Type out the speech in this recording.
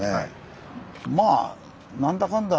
まあなんだかんだ